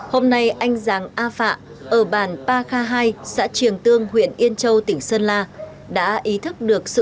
hôm nay anh giáng a phạ ở bàn ba k hai xã triềng tương huyện yên châu tỉnh sơn la đã ý thức được sự